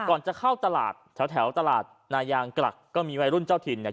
ก่อนจะเข้าตลาดแถวแถวตลาดนายางกลักก็มีวัยรุ่นเจ้าถิ่นเนี่ย